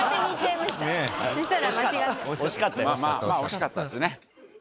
まあまあ、惜しかったですね。